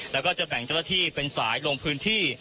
แล้วก็จะแบ่งเจ้าหน้าที่เป็นสายลงพื้นที่